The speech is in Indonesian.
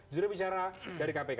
judul bicara dari kpk